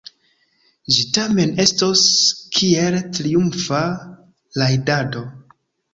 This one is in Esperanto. Ĝi tamen estos kiel triumfa rajdado.